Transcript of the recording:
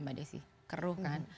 ya udah sih keruh kan